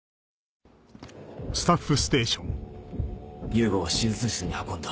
雄吾は手術室に運んだ。